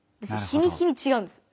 日に日にちがうんですよ。